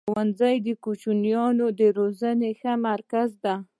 ښوونځی د کوچنیانو د روزني ښه مرکز دی.